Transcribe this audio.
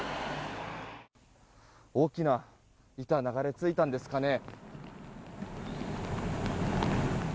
大きな板が流れ着いたんですかね。